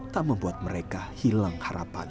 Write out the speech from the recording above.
tak membuat mereka hilang harapan